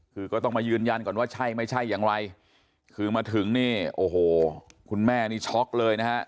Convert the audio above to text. คือก็ต้องมายืนยันก่อนว่าใช่ไม่ใช่อย่างไรคือมาถึงนี่โอ้โหคุณแม่นี่ช็อกเลยนะฮะ